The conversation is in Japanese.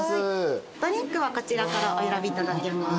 ドリンクはこちらからお選びいただけます。